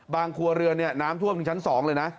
ครัวเรือนเนี่ยน้ำท่วมถึงชั้น๒เลยนะ